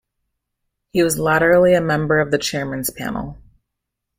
He was latterly a member of the Chairman's Panel.